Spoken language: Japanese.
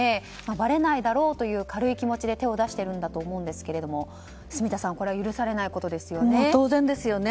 ばれないだろうという軽い気持ちで手を出しているんだと思うんですけども、住田さんこれは許されないことですよね。